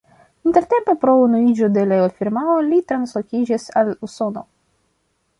Intertempe pro unuiĝo de la firmao li translokiĝis al Usono.